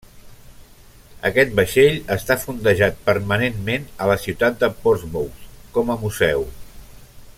Aquest vaixell està fondejat permanentment a la ciutat de Portsmouth com a museu.